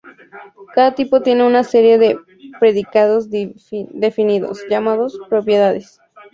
Cada tipo tiene una serie de predicados definidos, llamados "propiedades".